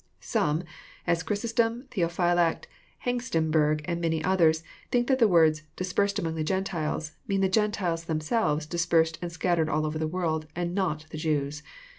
Some, as Chrysostom, Theophylact, Hengstenberg, and many others, think that the words • dispersed among the Gentiles mean the Gentiles themselves dispersed and scattered all over the world, and not the Jews.